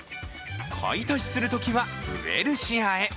買い足しするときはウエルシアへ。